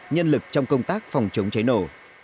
nhân lực trong công tác phòng chống cháy nổ